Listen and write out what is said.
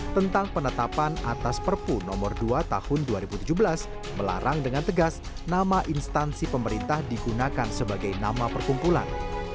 tentang penetapan atas perpu nomor dua tahun dua ribu tujuh belas melarang dengan tegas nama instansi pemerintah digunakan sebagai nama perkumpulan